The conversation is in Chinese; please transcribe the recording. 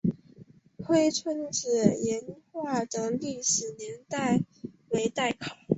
灰湾子岩画的历史年代为待考。